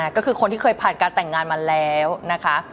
ก็คือคนที่เคยผ่านการแต่งงานมาแล้วนะคะ